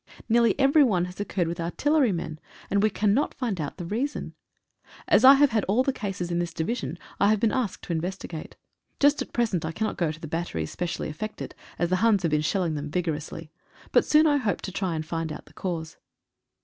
Nearly every one has occurred with artillery men, and we cannot find out the reason. As I have had all the cases in this Division I have been asked to investigate. Just at present I cannot go to the bat teries specially affected, as the Huns have been shelling them vigorously, but soon I hope to try and find out the cause.